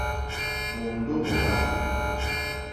Mòòndó mòrzàlì.